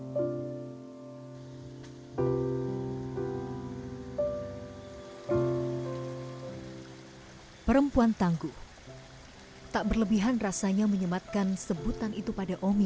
hai perempuan tangguh tak berlebihan rasanya menyematkan sebutan itu pada omin